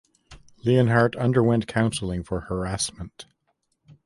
Leonhardt underwent counseling for harassment.